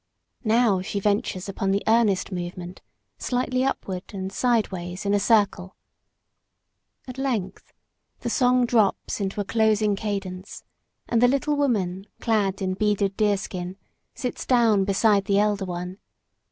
Now she ventures upon the earnest movement, slightly upward and sidewise, in a circle. At length the song drops into a closing cadence, and the little woman, clad in beaded deerskin, sits down beside the elder one.